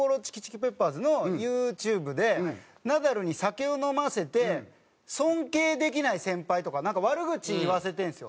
ペッパーズのＹｏｕＴｕｂｅでナダルに酒を飲ませて尊敬できない先輩とかなんか悪口言わせてるんですよ。